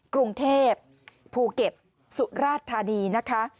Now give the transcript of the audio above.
กรุงเทพภูเก็ตสุราธานีนะคะ